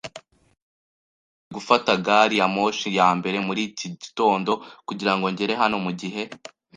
Nabwirijwe gufata gari ya moshi ya mbere muri iki gitondo kugirango ngere hano mugihe.